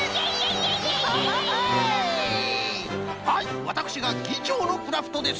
はいわたくしがぎちょうのクラフトです。